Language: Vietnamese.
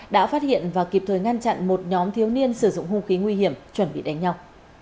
đã phát hiện và kịp thời ngăn chặn một nhóm thiếu niên sử dụng hung khí nguy hiểm chuẩn bị đánh nhau